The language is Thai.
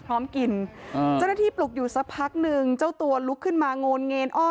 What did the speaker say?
พร้อมกินเจ้าหน้าที่ปลุกอยู่สักพักหนึ่งเจ้าตัวลุกขึ้นมาโงนเงนอ้อ